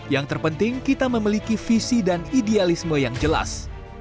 yang terpenting kita memiliki visi dan idealisme yang jelas